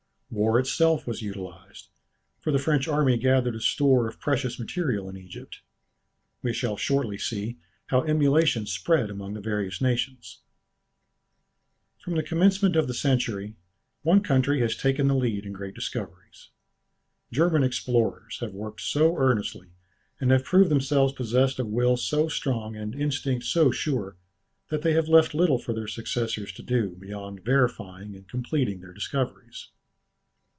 War itself was utilized, for the French army gathered a store of precious material in Egypt. We shall shortly see how emulation spread among the various nations. From the commencement of the century, one country has taken the lead in great discoveries. German explorers have worked so earnestly, and have proved themselves possessed of will so strong and instinct so sure, that they have left little for their successors to do beyond verifying and completing their discoveries.